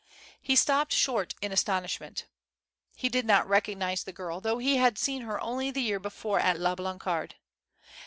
lie stopped short in astonishment. lie did not recognize the girl, though he had seen her only the year before at La Blancarde.